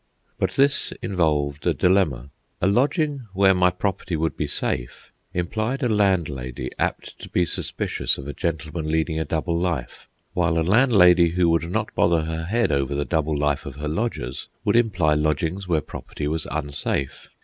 But this involved a dilemma. A lodging where my property would be safe implied a landlady apt to be suspicious of a gentleman leading a double life; while a landlady who would not bother her head over the double life of her lodgers would imply lodgings where property was unsafe.